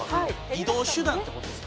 移動手段って事ですか？